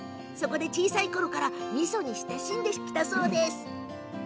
小さいころからみそに親しんできたそうです。